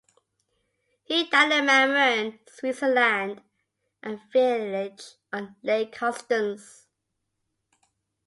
He died in Mammern, Switzerland, a village on Lake Constance.